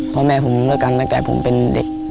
พ่อแม่ผมเลิกกันตั้งแต่ผมเป็นเด็ก